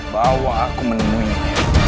bawa aku menemuinya